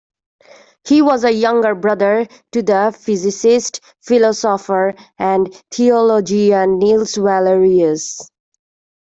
He was a younger brother to the physicist, philosopher and theologian Nils Wallerius.